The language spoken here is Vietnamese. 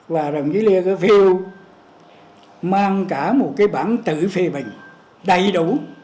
và đồng chí lê khả phiêu mang cả một cái bản tự phê bình đầy đủ